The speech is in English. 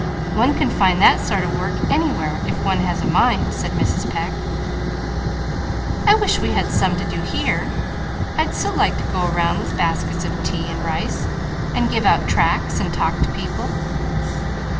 One can find that sort of work anywhere, if one has a mind," said Mrs. Pecq. "I wish we had some to do here. I'd so like to go round with baskets of tea and rice, and give out tracts and talk to people.